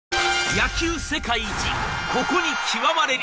野球世界一、ここに極まれり。